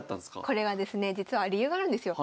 これがですね実は理由があるんですよ。